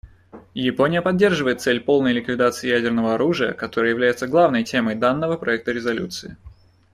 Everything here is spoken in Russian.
Япония поддерживает цель полной ликвидации ядерного оружия, которая является главной темой данного проекта резолюции.